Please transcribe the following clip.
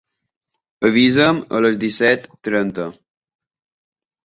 Avisa'm a les disset trenta.